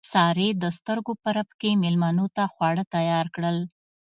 سارې د سترګو په رپ کې مېلمنو ته خواړه تیار کړل.